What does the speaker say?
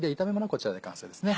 こちらで完成ですね。